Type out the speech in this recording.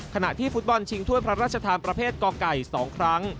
ขณะที่ฟุตบอลชิงถ้วยพระราชทานประเภทกไก่๒ครั้ง